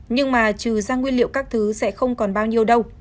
nhưng mà trừ ra nguyên liệu các thứ sẽ không còn bao nhiêu đâu